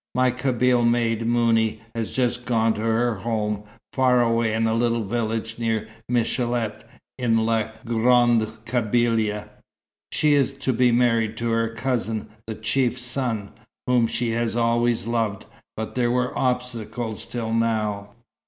My Kabyle maid, Mouni, has just gone to her home, far away in a little village near Michélet, in la Grande Kabylia. She is to be married to her cousin, the chief's son, whom she has always loved but there were obstacles till now."